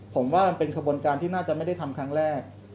ผมว่ามันเป็นขบวนการที่น่าจะไม่ได้ทำครั้งแรก